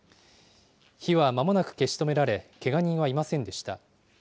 火は間もなく消し止められ、けが人はいませんでした。